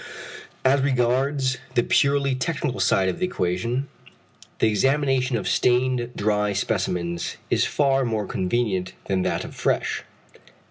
As regards the purely technical side of the question, the examination of stained dry specimens is far more convenient than that of fresh.